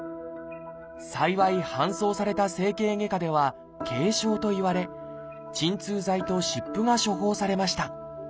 幸い搬送された整形外科では軽傷と言われ鎮痛剤と湿布が処方されました。